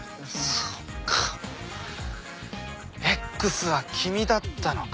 そっかＸはキミだったのか。